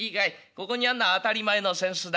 ここにあんのは当たり前の扇子だ。